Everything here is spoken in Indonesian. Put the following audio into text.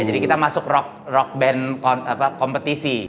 jadi kita masuk rock band kompetisi